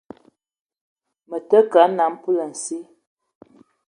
Me te ke a nnam poulassi